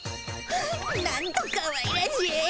なんとかわいらしい！